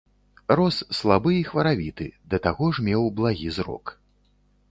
Рос слабы і хваравіты, да таго ж меў благі зрок.